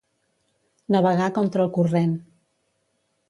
Navegar contra el corrent.